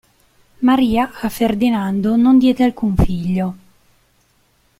Maria a Ferdinando non diede alcun figlio.